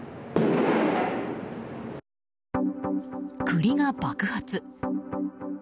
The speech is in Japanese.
栗が爆発。